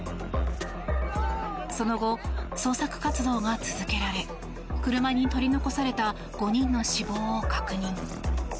その後、捜索活動が続けられ車に取り残された５人の死亡を確認。